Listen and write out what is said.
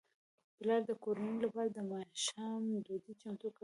پلار د کورنۍ لپاره د ماښام ډوډۍ چمتو کړه.